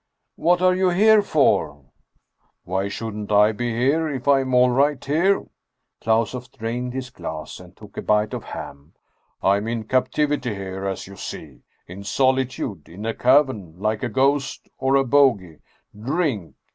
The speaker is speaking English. " What are you here for ?"" Why shouldn't I be here, if I am all right here? " Klausoff drained his glass and took a bite of ham. 177 Russian Mystery Stories " I am in captivity here, as you see. In solitude, in a cavern, like a ghost or a bogey. Drink!